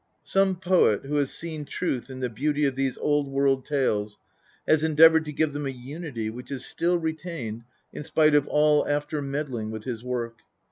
Some INTRODUCTION. LXXIII poet, who has seen truth in the beauty of these old world tales, has endeavoured to give them a unity which is still retained in spite of all after meddling with his work.